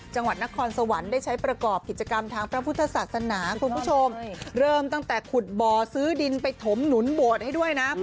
จังหวัดนครสวรรค์ได้ใช้ประกอบกิจกรรมทางพระพุทธศาสนาคุณผู้ชมเริ่มตั้งแต่ขุดบ่อซื้อดินไปถมหนุนโบสถ์ให้ด้วยนะ